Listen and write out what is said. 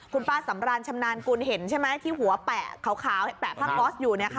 คุณป้าสำรานชำนาญกุลเห็นใช่ไหมที่หัวแปะขาวแปะพังอยู่เนี้ยค่ะ